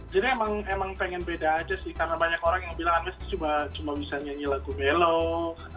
jadi emang pengen beda aja sih karena banyak orang yang bilang anmesh tuh cuma bisa nyanyi lagu mellow